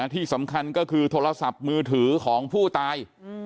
ที่สำคัญก็คือโทรศัพท์มือถือของผู้ตาย